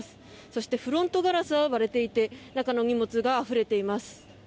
そしてフロントガラスは割れていて中の荷物があふれています。